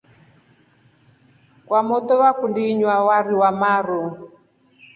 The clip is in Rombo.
Kwamotu vakundi inywa wari wamaru.